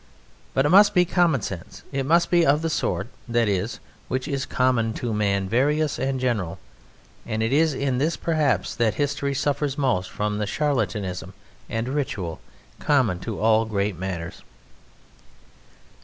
But it must be "common sense" it must be of the sort, that is, which is common to man various and general, and it is in this perhaps that history suffers most from the charlatanism and ritual common to all great matters.